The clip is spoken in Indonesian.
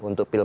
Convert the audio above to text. nah masih lu